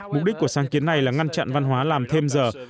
mục đích của sáng kiến này là ngăn chặn văn hóa làm thêm giờ